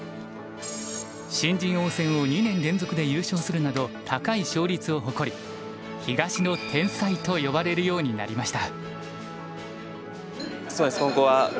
新人王戦を２年連続で優勝するなど高い勝率を誇り東の天才と呼ばれるようになりました。